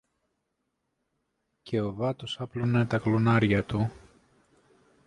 και ο βάτος άπλωνε τα κλωνάρια του